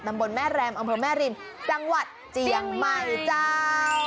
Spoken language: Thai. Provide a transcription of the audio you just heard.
บนแม่แรมอำเภอแม่ริมจังหวัดเจียงใหม่เจ้า